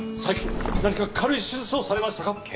最近何か軽い手術をされましたか？